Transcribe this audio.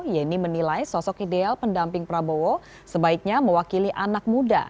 yeni menilai sosok ideal pendamping prabowo sebaiknya mewakili anak muda